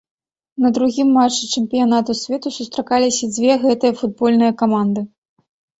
На другім матчы чэмпіянату свету сустракаліся дзве гэтыя футбольныя каманды.